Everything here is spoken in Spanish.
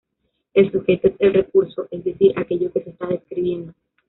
El sujeto es el recurso, es decir aquello que se está describiendo.